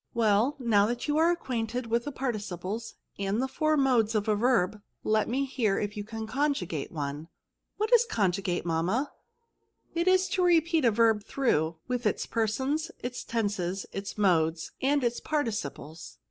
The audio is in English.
Well, now that you are acquainted with the participles and the four modes of a verb, let me hear if you can conjugate one." " What is conjugate, mamma ?"" It is to repeat a verb through, with its persons, its tenses, its modes, and its parti ciples."